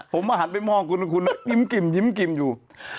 ผมแอ่หันไปมองคุณว่าคุณยิ้มกลิ่มยิ้มกลิ่มอยู่